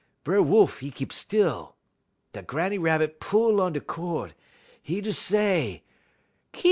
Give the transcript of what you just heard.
B'er Wolf, 'e keep still. Da Granny Rabbit pull on da cord; 'e do say: "'Ki!